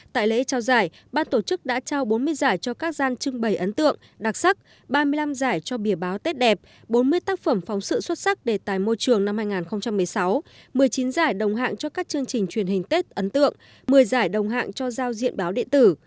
tại lễ trao giải ban tổ chức đã trao bốn mươi giải cho các gian trưng bày ấn tượng đặc sắc ba mươi năm giải cho bìa báo tết đẹp bốn mươi tác phẩm phóng sự xuất sắc đề tài môi trường năm hai nghìn một mươi sáu một mươi chín giải đồng hạng cho các chương trình truyền hình tết ấn tượng một mươi giải đồng hạng cho giao diện báo điện tử